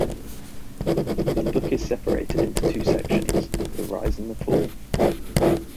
The book is separated into two sections: the rise and the fall.